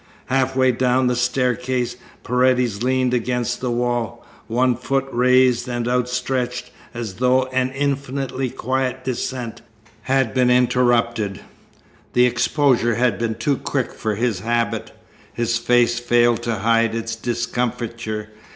Half way down the staircase Paredes leaned against the wall, one foot raised and outstretched, as though an infinitely quiet descent had been interrupted. The exposure had been too quick for his habit. His face failed to hide its discomfiture.